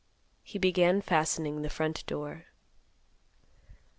He began fastening the front door.